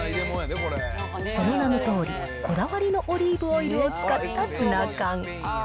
その名のとおり、こだわりのオリーブオイルを使ったツナ缶。